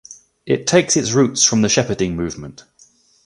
It takes its roots from the Shepherding movement.